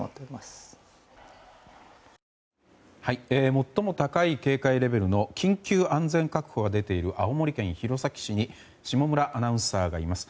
最も高い警戒レベルの緊急安全確保が出ている青森県弘前市に下村アナウンサーがいます。